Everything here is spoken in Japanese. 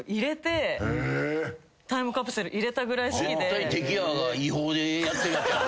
絶対テキ屋が違法でやってるやつ。